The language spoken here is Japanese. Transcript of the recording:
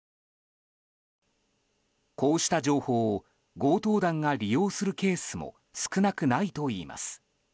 こうした情報を強盗団が利用するケースも少なくないといいます。